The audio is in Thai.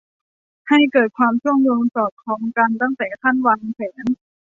ให้เกิดความเชื่อมโยงสอดคล้องกันตั้งแต่ขั้นวางแผน